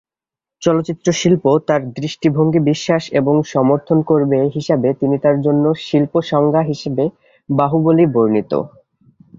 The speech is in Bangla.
চলচ্চিত্র শিল্প তার দৃষ্টিভঙ্গি বিশ্বাস এবং সমর্থন করবে হিসাবে তিনি তার জন্য "শিল্প-সংজ্ঞা" হিসাবে বাহুবলী বর্ণিত।